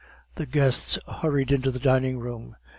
The guests hurried into the dining room.